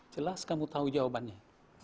jelas kamu tahu jawabannya